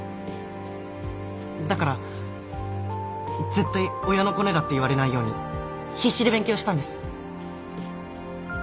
だから絶対親のコネだって言われないように必死で勉強したんです